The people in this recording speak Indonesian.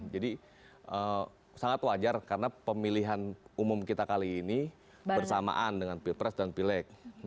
jadi sangat wajar karena pemilihan umum kita kali ini bersamaan dengan pilpres dan pileg